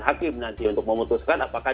hakim nanti untuk memutuskan apakah